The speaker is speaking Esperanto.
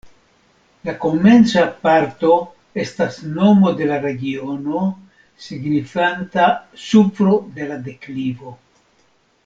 La komenca parto estas nomo de la regiono, signifanta supro de la deklivo.